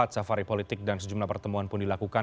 safari politik dan sejumlah pertemuan pun dilakukan